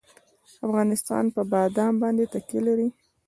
افغانستان په بادام باندې تکیه لري.